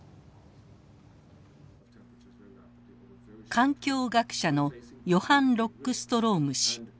環境学者のヨハン・ロックストローム氏。